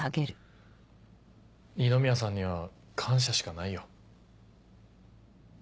二宮さんには感謝しかないよ。